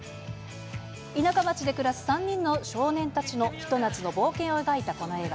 田舎町で暮らす３人の少年たちのひと夏の冒険を描いたこの映画。